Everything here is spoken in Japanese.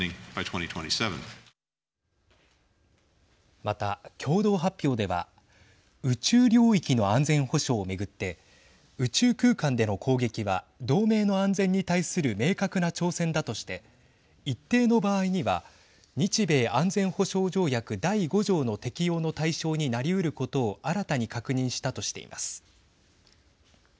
また、共同発表では宇宙領域の安全保障を巡って宇宙空間での攻撃は同盟の安全に対する明確な挑戦だとして一定の場合には日米安全保障条約第５条の適用の対象になりうることを新たに確認したとしています。